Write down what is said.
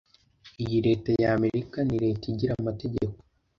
Iyi leta ya Amerika ni "Leta igira amategeko